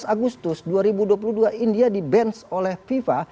tujuh belas agustus dua ribu dua puluh dua india di bench oleh fifa